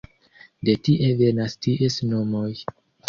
De tie venas ties nomoj.